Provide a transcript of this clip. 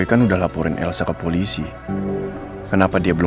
dia sekarang ngelaporin gue ke polisi supaya nangkep gue